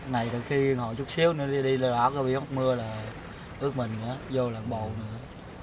này từ khi ngồi chút xíu nữa đi lỡ có bị mắc mưa là ướt mình nữa vô làn bộ nữa